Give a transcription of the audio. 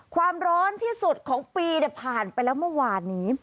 ความร้อนที่สุดของปีผ่านไปแล้วเมื่อวานนี้